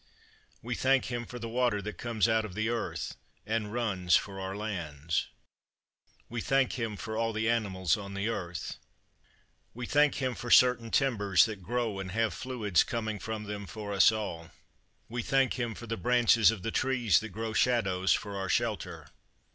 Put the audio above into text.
We thank Him for the water that comes out of the earth and runs for our lands. We thank Him for all the animals on the earth. We thank Him for certain timbers that grow and have fluids coming from them for us all. We thank Him for the branches of the trees that grow shadows for our shelter.